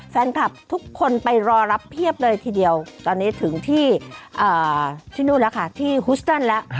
แฟนคลับทุกคนไปรอรับเพียบเลยทีเดียวตอนนี้ถึงที่นู่นแล้วค่ะที่ฮุสตันแล้ว